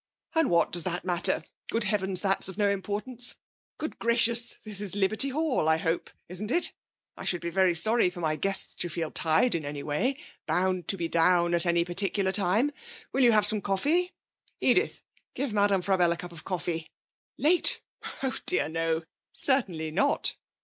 And what does that matter? Good heavens, that's of no importance! Good gracious, this is Liberty Hall, I hope isn't it? I should be very sorry for my guests to feel tied in any way bound to be down at any particular time. Will you have some coffee? Edith, give Madame Frabelle a cup of coffee. Late? Oh dear, no; certainly not!'